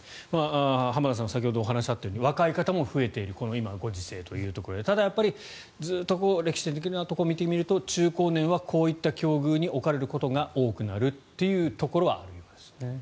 浜田さん先ほどお話があったように若い方も増えている今のご時世ということでただ、やっぱり、ずっと歴史的なところを見てみると中高年はこういった境遇に置かれることが多くなるというところはあるんですね。